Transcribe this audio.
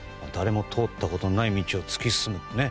誰も通ったことのない道を突き進む。